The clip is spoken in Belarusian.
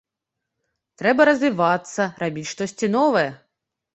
Трэба развівацца, рабіць штосьці новае.